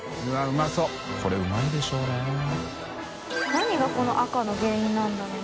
何がこの赤の原因なんだろうな？